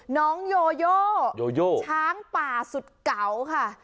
น้องโยโยช้างป่าสุดเก่าค่ะ